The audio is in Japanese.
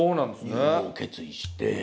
入部を決意して。